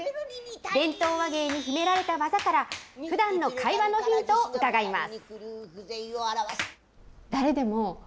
伝統話芸に秘められた技から、ふだんの会話のヒントを伺います。